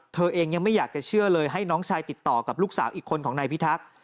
เธอเองยังไม่อยากจะเชื่อเลยให้น้องชายติดต่อกับลูกสาวอีกคนของนายพิทักษ์